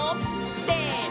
せの！